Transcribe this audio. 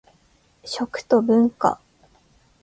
食と文化